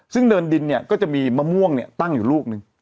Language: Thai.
ซึ่งเนินดินเนี่ยก็จะมีมะม่วงเนี่ยตั้งอยู่ลูกหนึ่ง